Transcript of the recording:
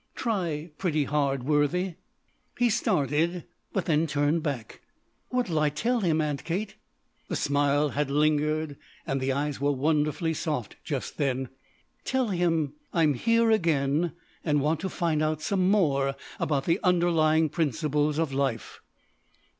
"Try pretty hard, Worthie." He started, but turned back. "What'll I tell him, Aunt Kate?" The smile had lingered and the eyes were wonderfully soft just then. "Tell him I'm here again and want to find out some more about the underlying principles of life."